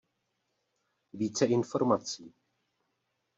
Více informací.